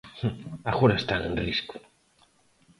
Agora están en risco.